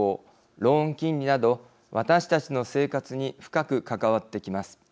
ローン金利など私たちの生活に深く関わってきます。